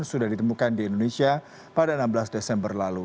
sudah ditemukan di indonesia pada enam belas desember lalu